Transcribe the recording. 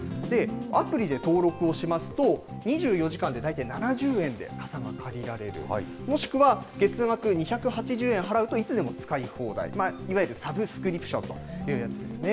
アプリで登録をしますと、２４時間で大体７０円で傘が借りられる、もしくは月額２８０円払うといつでも使い放題、いわゆるサブスクリプションというものですね。